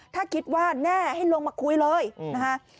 ถ้าคิดว่าแน่ให้ลงมาคุยเลยนะฮะ